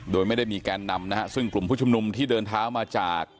โดยไม่ได้มีแกนนำนะฮะซึ่งกลุ่มผู้ชุมนุมที่เดินเท้ามาจาก